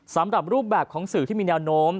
สำหรับรูปแบบของสื่อที่มีแนวโน้ม